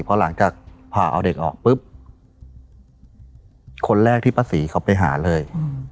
พอหลังจากผ่าเอาเด็กออกปุ๊บคนแรกที่ป้าศรีเขาไปหาเลย